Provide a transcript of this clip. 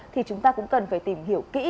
thì chúng ta cũng cần phải tìm hiểu kỹ